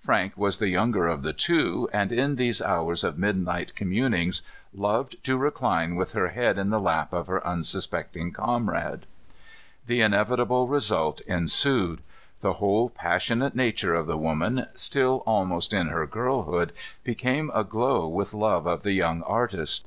Frank was the younger of the two, and in these hours of midnight communings, loved to recline with her head in the lap of her unsuspecting comrade. The inevitable result ensued. The whole passionate nature of the woman, still almost in her girlhood, became aglow with love of the young artist.